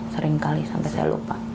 seringkali sampai saya lupa